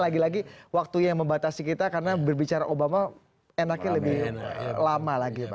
lagi lagi waktunya yang membatasi kita karena berbicara obama enaknya lebih lama lagi